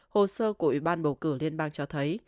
hồ sơ của ủy ban bầu cử liên bang cho thấy